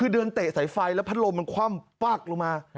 คือเดินเตะสายไฟแล้วพัดลมมันคว่ำฟักลงมา